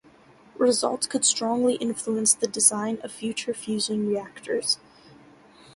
Results could strongly influence the design of future fusion reactors.